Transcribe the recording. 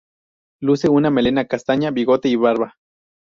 Luce una melena castaña, bigote y barba.